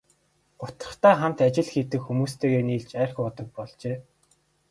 Гутрахдаа хамт ажил хийдэг хүмүүстэйгээ нийлж архи уудаг болжээ.